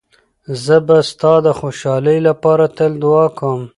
زه به ستا د خوشحالۍ لپاره تل دعا کوم.